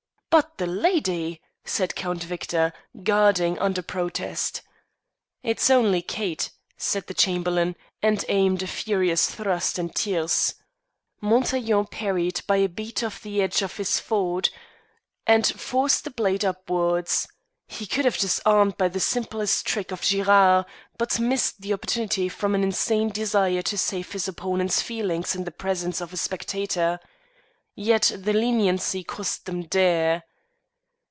"But the lady?" said Count Victor, guarding under protest. "It's only Kate," said the Chamberlain, and aimed a furious thrust in tierce. Montaiglon parried by a beat of the edge of his forte, and forced the blade upwards. He could have disarmed by the simplest trick of Girard, but missed the opportunity from an insane desire to save his opponent's feelings in the presence of a spectator. Yet the leniency cost them dear.